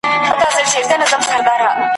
د غوايي څنګ ته یې ځان وو رسولی !.